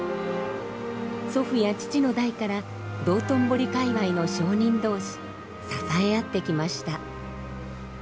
祖父や父の代から道頓堀界わいの商人同士支え合ってきました。